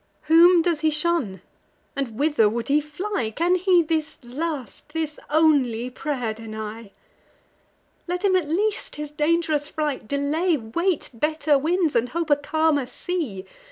Whom does he shun, and whither would he fly! Can he this last, this only pray'r deny! Let him at least his dang'rous flight delay, Wait better winds, and hope a calmer sea.